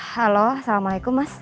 halo assalamualaikum mas